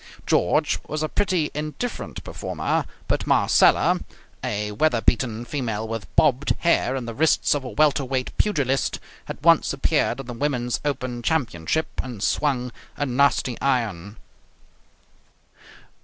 George was a pretty indifferent performer, but Marcella, a weather beaten female with bobbed hair and the wrists of a welterweight pugilist, had once appeared in the women's open championship and swung a nasty iron.